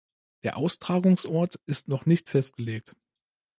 Der Austragungsort ist noch nicht festgelegt.